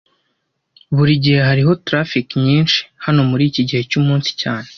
Burigihe hariho traffic nyinshi hano muriki gihe cyumunsi cyane